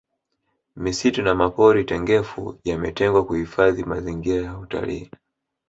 misitu na mapori tengefu yametengwa kuhifadhi mazingira ya utalii